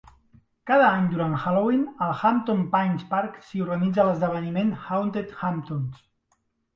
Cada any, durant Halloween, al Hampton Pines Park s'hi organitza l'esdeveniment Haunted Hamptons.